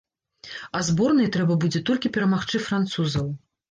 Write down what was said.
А зборнай трэба будзе толькі перамагчы французаў.